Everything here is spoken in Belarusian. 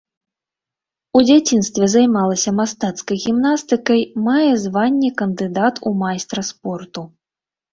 У дзяцінстве займалася мастацкай гімнастыкай, мае званне кандыдат у майстра спорту.